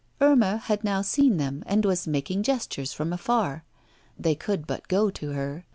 Irma had now seen them, and was making gestures from afar. They could but go to her.